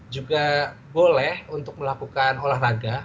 juga boleh untuk melakukan olahraga